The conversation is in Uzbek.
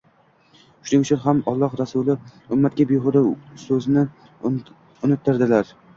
Shuning uchun ham Allohning Rasuli ummatga behuda so‘zni unuttirdilar